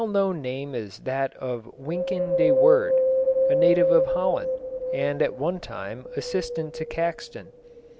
A well known name is that of Wynkyn de Worde, a native of Holland, and at one time assistant to Caxton.